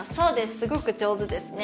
すごく上手ですね